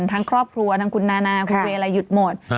ทั้งครอบครัวทั้งคุณนานาคุณเวย์อะไรหยุดหมด